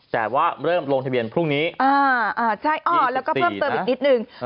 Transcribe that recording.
แต่ว่าเริ่มลงทะเบียนพรุ่งนี้ใช่แล้วก็เพิ่มเติมอีกนิดนึง